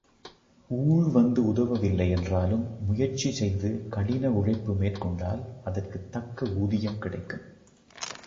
ஊழ் வந்து உதவவில்லை என்றாலும் முயற்சி செய்து கடின உழைப்பு மேற்கொண்டால் அதற்குத் தக்க ஊதியம் கிடைக்கும்.